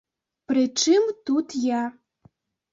Пры чым тут я?